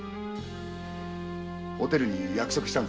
おてるに約束したんです。